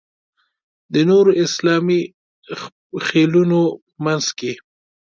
د نورو اسلامي خېلونو په منځ کې.